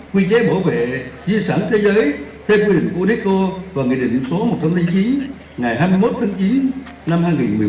quy chế bảo vệ di sản thế giới theo quy định của neco và nghị định số một trăm linh chín ngày hai mươi một tháng chín năm hai nghìn một mươi bốn